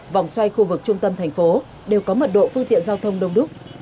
vòng xoay khu vực trung tâm thành phố đều có mật độ phương tiện giao thông đông đúc